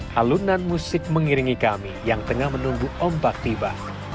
halunan musik mengiringi kami yang tengah menunggu ombak tiba